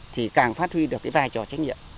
thì càng phát huy được cái vai trò trách nhiệm